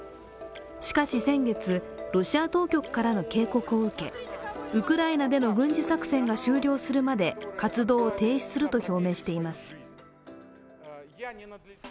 しかし先月、ロシア当局からの警告を受け、ウクライナでの軍事作戦が終了するまで活動を停止すると表明しています。